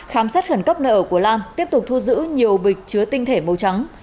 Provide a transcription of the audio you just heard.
khám sát khẩn cấp nợ của lan tiếp tục thu giữ nhiều bịch chứa tinh thể màu trắng